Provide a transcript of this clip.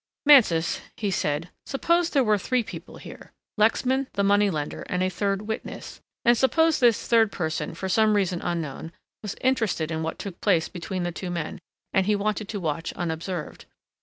"Mansus," he said, "suppose there were three people here, Lexman, the money lender and a third witness. And suppose this third person for some reason unknown was interested in what took place between the two men and he wanted to watch unobserved.